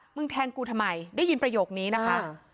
แทงกูทำไมได้ยินประโยคนี้นะคะ